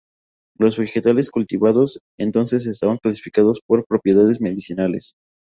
Los vegetales cultivados entonces estaban clasificados por propiedades medicinales.